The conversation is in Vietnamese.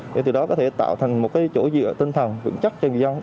để từ đó có thể tạo thành một cái chỗ dựa tinh thần vững chắc cho người dân